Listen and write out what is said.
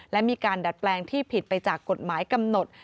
และมีการดัดแปลงที่ผิดไปจากกฎหมายกำหนด